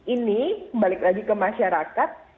ini balik lagi ke masyarakat